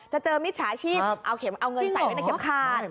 จะเจอมิจฉาชีพเอาเงินใส่ไว้ในเข็มขาด